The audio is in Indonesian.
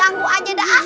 ganggu aja dah